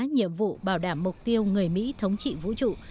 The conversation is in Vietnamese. nhiệm vụ bảo đảm mục tiêu người mỹ thống trị vũ trụ